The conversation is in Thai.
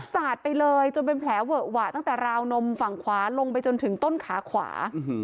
สาดไปเลยจนเป็นแผลเวอะหวะตั้งแต่ราวนมฝั่งขวาลงไปจนถึงต้นขาขวา